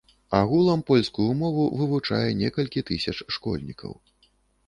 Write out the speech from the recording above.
Агулам польскую мову вывучае некалькі тысяч школьнікаў.